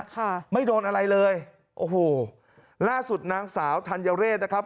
ค่ะไม่โดนอะไรเลยโอ้โหล่าสุดนางสาวธัญเรศนะครับ